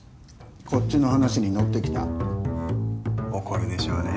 こっちの話に乗ってきた怒るでしょうね